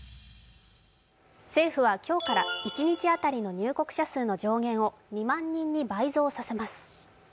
政府は今日から一日当たりの入国者数の上限を２万人に倍増させます。